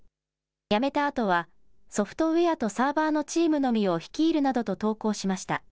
辞めたあとはソフトウエアとサーバーのチームのみを率いるなどと投稿しました。